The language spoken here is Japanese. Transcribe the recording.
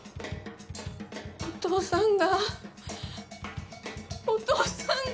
お父さんがお父さんが。